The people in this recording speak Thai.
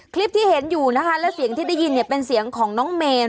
คลิปที่เห็นอยู่นะคะและเสียงที่ได้ยินเนี่ยเป็นเสียงของน้องเมน